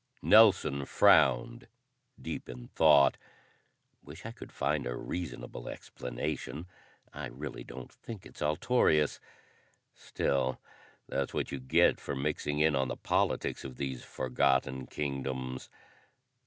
Nelson frowned, deep in thought. "Wish I could find a reasonable explanation. I really don't think it's Altorius; still, that's what you get for mixing in on the politics of these forgotten kingdoms."